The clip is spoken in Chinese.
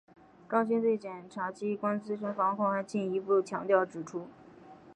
张军对检察机关自身防控还进一步强调指出